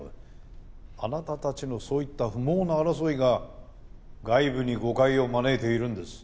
あなたたちのそういった不毛な争いが外部に誤解を招いているんです。